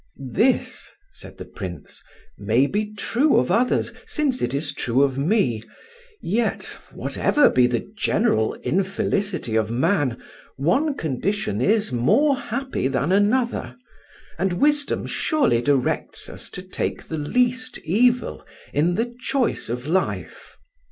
"This," said the Prince, "may be true of others since it is true of me; yet, whatever be the general infelicity of man, one condition is more happy than another, and wisdom surely directs us to take the least evil in the choice of life."